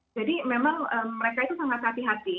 jadi memang mereka itu sangat hati hati